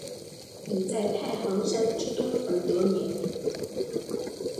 以在太行山之东而得名。